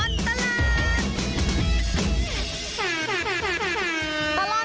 ช่วงตลอดตลาด